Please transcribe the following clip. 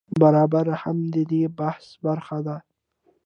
برابري هم د دې بحث برخه ده.